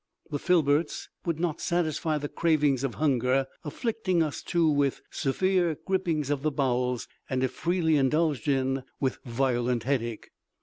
The filberts would not satisfy the cravings of hunger, afflicting us, too, with severe gripings of the bowels, and, if freely indulged in, with violent headache.